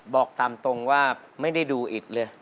บอกตามตรงว่าไม่ได้ดูอิดเลย